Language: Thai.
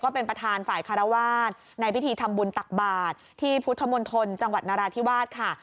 เป็นประธานฝ่ายคารวาสในพิธีทำบุญตักบาทที่พุทธมนตรจังหวัดนราธิวาสค่ะ